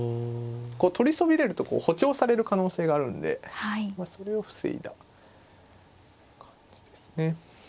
取りそびれると補強される可能性があるんでそれを防いだ感じですね。